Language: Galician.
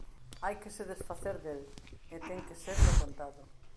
_Hai que se desfacer del, e ten que ser de contado...